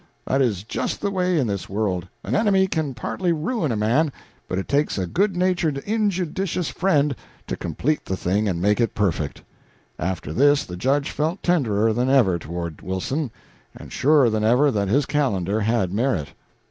That is just the way in this world; an enemy can partly ruin a man, but it takes a good natured injudicious friend to complete the thing and make it perfect. After this the Judge felt tenderer than ever toward Wilson, and surer than ever that his calendar had merit.